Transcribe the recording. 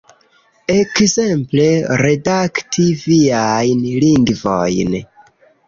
Ekzemple, redakti viajn lingvojn